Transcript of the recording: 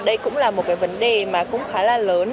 đây cũng là một cái vấn đề mà cũng khá là lớn